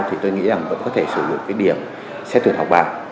thì tôi nghĩ là vẫn có thể sử dụng cái điểm xếp tuyển học bạc